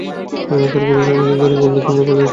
মক্কার কুরাইশরা আমাদের ধরে বলল, তোমরা কোথায় যাচ্ছো?